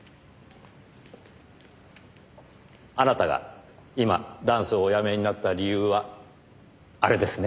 あなたが今ダンスをおやめになった理由はあれですね？